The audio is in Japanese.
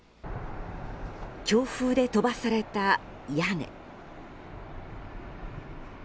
強風で飛ばされた屋根。